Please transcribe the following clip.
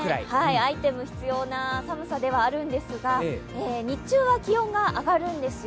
アイテムが必要な寒さではあるんですが、日中は気温が上がるんですよ。